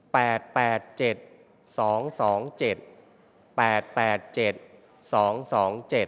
แปดแปดเจ็ดสองสองเจ็ดแปดแปดเจ็ดสองสองเจ็ด